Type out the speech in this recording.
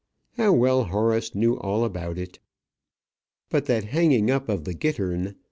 _ How well Horace knew all about it! But that hanging up of the gittern